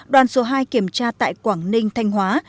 đoàn số hai kiểm tra tại quảng ninh thanh hóa